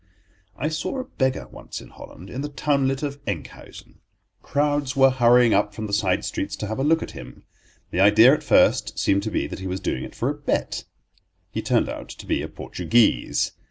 I saw a beggar once in Holland—in the townlet of Enkhuisen. Crowds were hurrying up from the side streets to have a look at him; the idea at first seemed to be that he was doing it for a bet. He turned out to be a Portuguese.